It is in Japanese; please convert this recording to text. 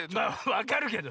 わかるけど。